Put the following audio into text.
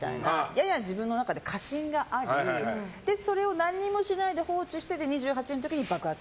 やや自分の中で過信がありそれを何もしないで放置してて２８の時に爆発。